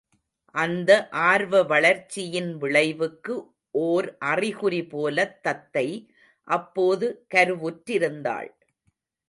அந்த ஆர்வ வளர்ச்சியின் விளைவுக்கு ஒர் அறிகுறிபோலத் தத்தை அப்போது கருவுற்றிருந்தாள்.